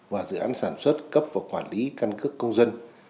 và dự án sản xuất cấp và quản lý căn cước công dân